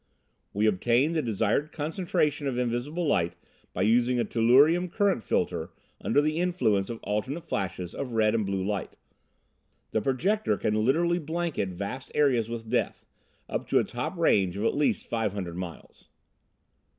"We obtain the desired concentration of invisible light by using a tellurium current filter under the influence of alternate flashes of red and blue light. The projector can literally blanket vast areas with death, up to a top range of at least five hundred miles.